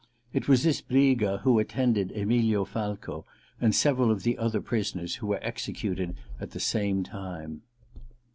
It was this Briga who attended Emilio Falco, and several of the other prisoners who were executed at the same time.